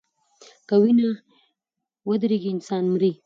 که وینه ودریږي انسان مري.